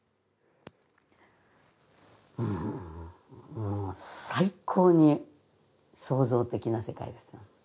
もう最高に想像的な世界ですよ。